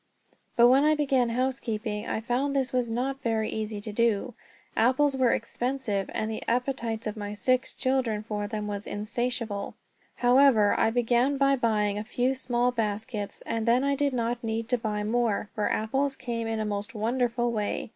But when I began housekeeping I found this was not very easy to do. Apples were expensive, and the appetites of my six children for them seemed insatiable. However, I began by buying a few small baskets; and then I did not need to buy more, for apples came in a most wonderful way.